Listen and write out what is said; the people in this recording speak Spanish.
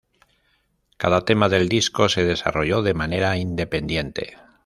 Cada tema del disco se desarrolló de manera independiente.